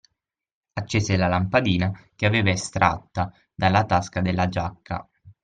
Accese la lampadina che aveva estratta dalla tasca della giacca.